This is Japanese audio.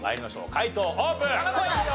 解答オープン！